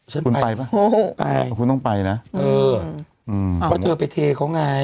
ฉันไปไปคุณต้องไปนะเออเอาเธอไปเทเขาไง